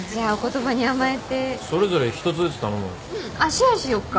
シェアしようか。